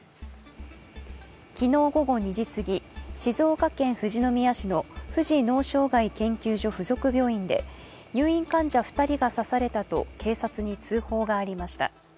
昨日午後２時すぎ、静岡県富士宮市の富士脳障害研究所附属病院で入院患者２人が刺されたと警察に通報がありました。